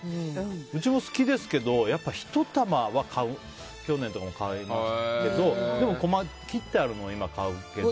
うちも好きですけど１玉は去年とかも買いましたけど切ってあるのを今は買うけど。